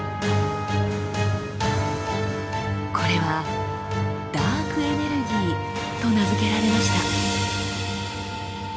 これは「ダークエネルギー」と名付けられました。